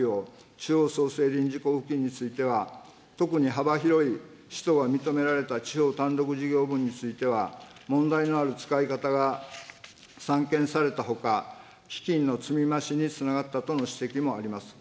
地方創生臨時交付金については、特に幅広い使途が認められた地方単独事業分については、問題のある使い方が散見されたほか、基金の積み増しにつながったとの指摘もあります。